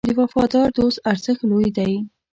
د وفادار دوست ارزښت لوی دی.